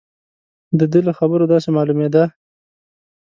د ده له خبرو داسې معلومېده.